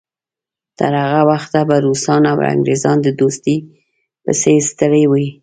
تر هغه وخته به روسان او انګریزان د دوستۍ پسې ستړي وي.